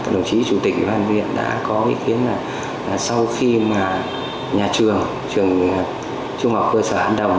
đồng chí chủ tịch ủy ban huyện đã có ý kiến là sau khi mà nhà trường trường trung học cơ sở an đồng